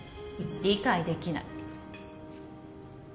理解できない。